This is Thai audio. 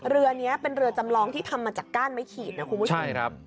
เรือนี้เป็นเรือจำลองที่ทำมาจากก้านไม้ขีดนะคุณผู้ชม